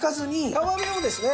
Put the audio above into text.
皮目をですね